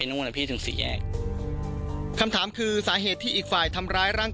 ช่วยเร่งจับตัวคนร้ายให้ได้โดยเร่ง